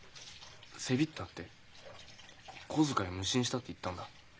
「せびった」って「小遣い無心した」って言ったんだ。